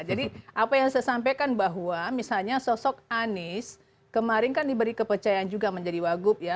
jadi apa yang saya sampaikan bahwa misalnya sosok anies kemarin kan diberi kepercayaan juga menjadi wagub ya